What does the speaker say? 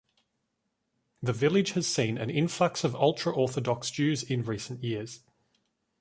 The village has seen an influx of ultra-Orthodox Jews in recent years.